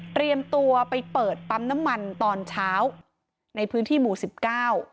ตัวไปเปิดปั๊มน้ำมันตอนเช้าในพื้นที่หมู่สิบเก้า